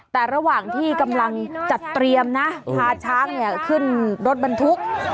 แต่ระหว่างที่กำลังจัดเตรียมนะพาช้างเนี่ยขึ้นรถบรรทุก